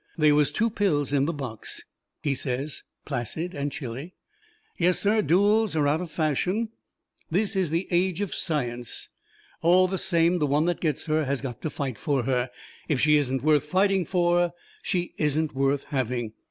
They was two pills in the box. He says, placid and chilly: "Yes, sir, duels are out of fashion. This is the age of science. All the same, the one that gets her has got to fight for her. If she isn't worth fighting for, she isn't worth having.